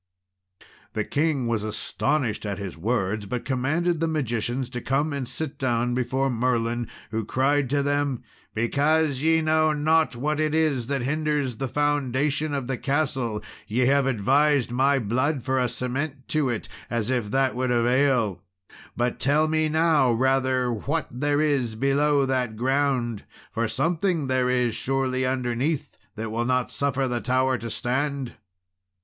The king was astonished at his words, but commanded the magicians to come and sit down before Merlin, who cried to them "Because ye know not what it is that hinders the foundation of the castle, ye have advised my blood for a cement to it, as if that would avail; but tell me now rather what there is below that ground, for something there is surely underneath that will not suffer the tower to stand?"